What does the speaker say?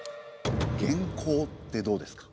元寇ってどうですか？